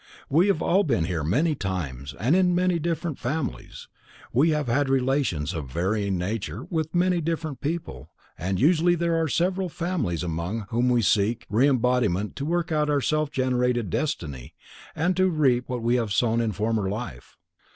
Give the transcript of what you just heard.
We have all been here many times and in different families, we have had relations of varying nature with many different people and usually there are several families among whom we may seek re embodiment to work out our self generated destiny and reap what we have sown in former life.